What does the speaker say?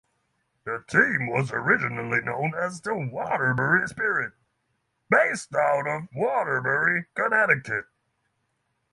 The team was originally known as the Waterbury Spirit, based out of Waterbury, Connecticut.